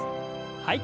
はい。